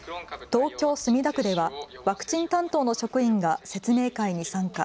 東京・墨田区ではワクチン担当の職員が説明会に参加。